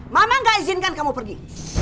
mama gak izinkan kamu pergi